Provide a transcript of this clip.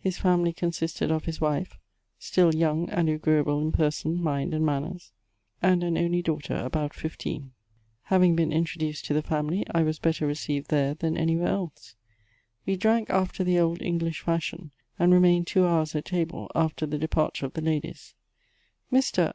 His family consisted of his wife, still joung and agreeable in person, mmd, and manners, and an only daughter, about fifibeen. Having been introduced to the family, I was better received there than anywhere else. We drank after the old English fiELshion, and remained two hours at table after the departure of the ladies. Mr.